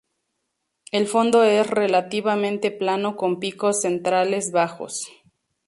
El fondo es relativamente plano con picos centrales bajos.